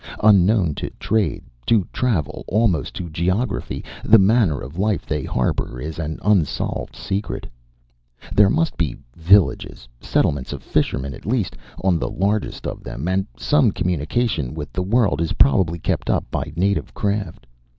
Unknown to trade, to travel, almost to geography, the manner of life they harbor is an unsolved secret. There must be villages settlements of fishermen at least on the largest of them, and some communication with the world is probably kept up by native craft.